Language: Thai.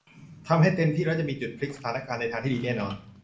ทำให้เต็มที่แล้วจะมีจุดพลิกสถานการณ์ในทางที่ดีแน่นอน